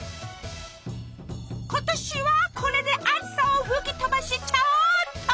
今年はこれで暑さを吹き飛ばしちゃおうっと！